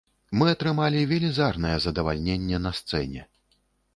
Мы атрымалі велізарнае задавальненне на сцэне.